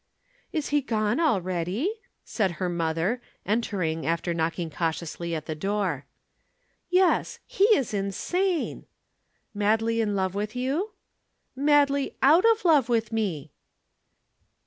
"Is he gone already?" said her mother, entering after knocking cautiously at the door. "Yes, he is insane." "Madly in love with you?" "Madly out of love with me."